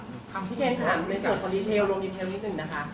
พี่เกณฑ์ถามในส่วนลงรีเทลนิดนึงนะคะ